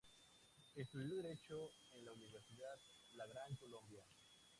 Estudió derecho en la Universidad La Gran Colombia.